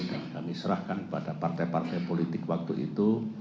dan kami serahkan kepada partai partai politik waktu itu